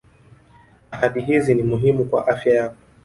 ahadi hizi ni muhimu kwa afya yako